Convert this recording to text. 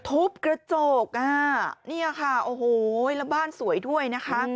ทุบกระจกอ่ะเนี่ยค่ะโอ้โหแล้วบ้านสวยด้วยนะคะ